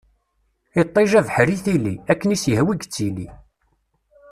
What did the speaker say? Iṭij, abeḥri, tili ; akken i s-yehwa i yettili.